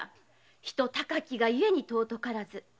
人高きがゆえに尊からず。